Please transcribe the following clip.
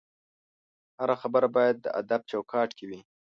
هره خبره باید د ادب چوکاټ کې وي